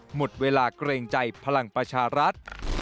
หมดเวลาเกรงใจพลังประชารัฐ